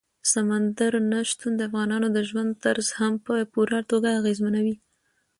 سمندر نه شتون د افغانانو د ژوند طرز هم په پوره توګه اغېزمنوي.